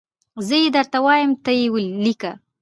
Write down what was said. زه یي درته وایم ته یي لیکه